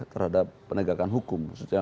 terhadap penegakan hukum